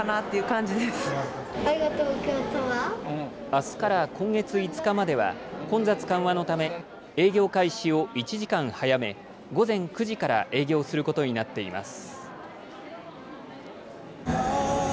あすから今月５日までは混雑緩和のため、営業開始を１時間早め午前９時から営業することになっています。